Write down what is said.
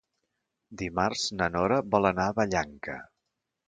Dimarts na Nora vol anar a Vallanca.